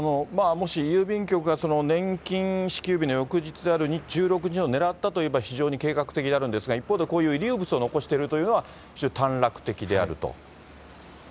もし郵便局が年金支給日の翌日である１６日を狙ったといえば、非常に計画的であるんですが、一方でこういう遺留物を残しているというのは、非常に短絡的であると。